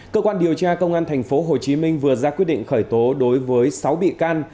cơ quan điều tra công an thành phố hồ chí minh vừa ra quyết định khởi tố đối với sáu bị can